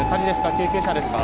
救急車ですか？